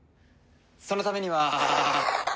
そのためには。